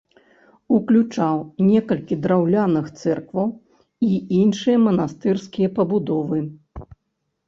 Уключаў некалькі драўляных цэркваў і іншыя манастырскія пабудовы.